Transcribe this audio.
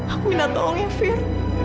aku minta tolong ya fir